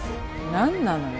何なのよ